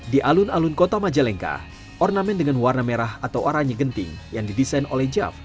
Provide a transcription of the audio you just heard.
di alun alun kota majalengka ornamen dengan warna merah atau oranye genting yang didesain oleh jav